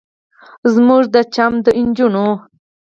زموږ د چم د نجونو